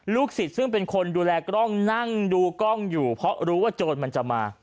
สิทธิ์ซึ่งเป็นคนดูแลกล้องนั่งดูกล้องอยู่เพราะรู้ว่าโจรมันจะมา